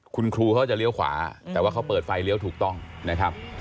คุณครูเขาจะเลี้ยวขวาแต่ว่าเขาเปิดไฟเลี้ยวถูกต้องนะครับ